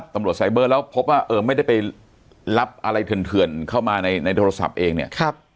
ไซเบอร์แล้วพบว่าไม่ได้ไปรับอะไรเถื่อนเข้ามาในโทรศัพท์เองเนี่ย